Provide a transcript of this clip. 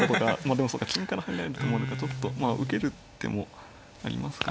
でもそうか金から入られるとちょっとまあ受ける手もありますかね。